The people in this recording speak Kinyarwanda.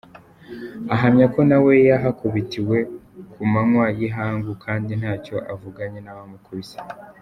Ahamya ko nawe yahakubitiwe ku manywa y’ihangu kandi ntacyo avuganye n’abamukubise.